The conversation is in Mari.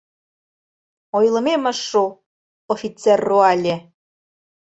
— Ойлымем ыш шу, — офицер руале.